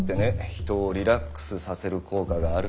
人をリラックスさせる効果がある。